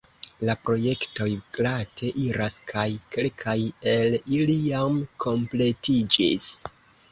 La projektoj glate iras kaj kelkaj el ili jam kompletiĝis.